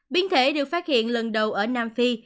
biến thể được phát hiện lần đầu ở nam phi